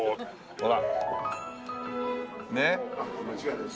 ほら。